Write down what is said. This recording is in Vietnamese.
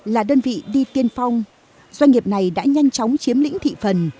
là đơn vị đi tiên phong doanh nghiệp này đã nhanh chóng chiếm lĩnh thị phần